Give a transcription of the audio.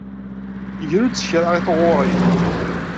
Glu-d s kra i tɣuri.